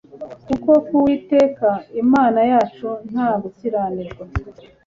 kuko ku Uwiteka Imana yacu nta gukiranirwa